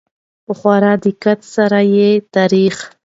په خورا دقت سره يې تاريخ